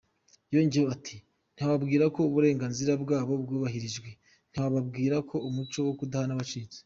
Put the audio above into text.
Yongeyeho ati “ Ntiwababwira ko Uburenganzira bwabo bwubahirijwe, ntiwababwira ko umuco wo kudahana wacitse.